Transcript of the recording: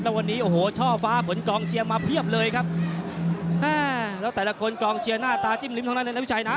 แล้ววันนี้โอ้โหช่อฟ้าฝนกองเชื่อมาเพียบเลยครับแล้วแต่ละคนกองเชื่อหน้าตาจิ้มหลิมทั้งนั้นนะวิชัย